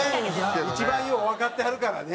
一番ようわかってはるからね。